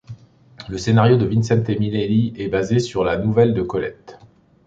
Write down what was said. Le scénario de Vincente Minnelli est basé sur la nouvelle de Colette.